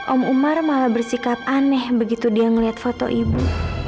om umar malah bersikap aneh begitu dia melihat foto ibu